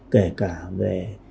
kể cả về